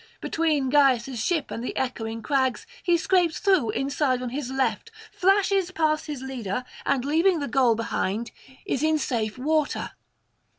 Between Gyas' ship and the echoing crags he scrapes through inside on his left, flashes past his leader, and leaving the goal behind is in safe water.